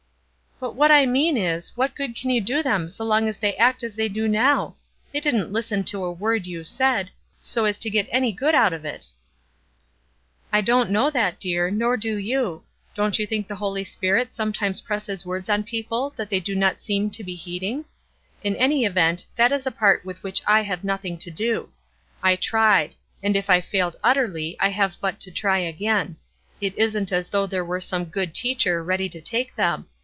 "But what I mean is, what good can you do them so long as they act as they do now? They didn't listen to a word you said, so as to get any good out of it." "I don't know that, dear, nor do you. Don't you think the Holy Spirit sometimes presses words on people that they do not seem to be heeding? In any event, that is a part with which I have nothing to do. I tried; and if I failed utterly I have but to try again. It isn't as though there were some good teacher ready to take them.